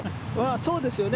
そうですよね。